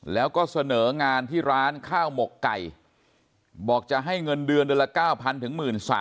แล้วก็เสนองานที่ร้านข้าวหมกไก่บอกจะให้เงินเดือนเดือนละ๙๐๐ถึง๑๓๐๐